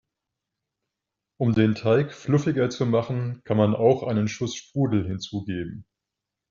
Um den Teig fluffiger zu machen, kann man auch einen Schuss Sprudel hinzugeben.